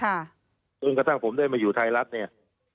จนกระทั่งผมได้มาอยู่ไทยรัฐเนี่ย